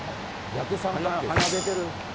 鼻出てる。